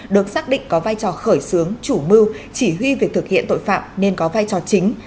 được xác định có vai trò khởi xướng chủ mưu chỉ huy việc thực hiện tội phạm nên có vai trò chính